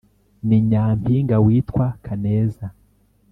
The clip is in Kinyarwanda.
ni nyampinga witwa kaneza